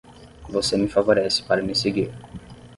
Você me favorece para me seguir.